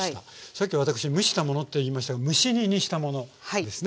さっき私蒸したものって言いましたが蒸し煮にしたものですね。